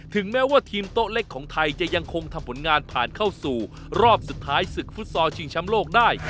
แม้ว่าทีมโต๊ะเล็กของไทยจะยังคงทำผลงานผ่านเข้าสู่รอบสุดท้ายศึกฟุตซอลชิงช้ำโลกได้